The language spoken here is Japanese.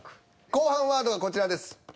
後半ワードはこちらです。